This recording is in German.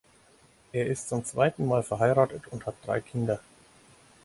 Er ist zum zweiten Mal verheiratet und hat drei Kinder.